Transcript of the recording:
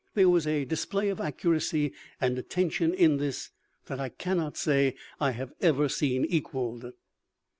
There was a display of accuracy and attention in this that I cannot say I have ever seen equalled.